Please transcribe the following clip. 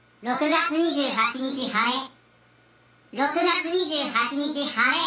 「６月２８日晴れ！